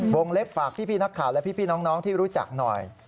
เล็บฝากพี่นักข่าวและพี่น้องที่รู้จักหน่อย